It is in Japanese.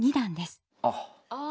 あっ。